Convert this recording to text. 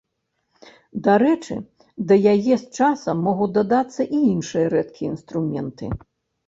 Дарэчы, да яе з часам могуць дадацца і іншыя рэдкія інструменты.